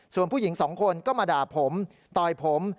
ส่วนผู้หญิงสองคนก็มาด่าผมต่อยผม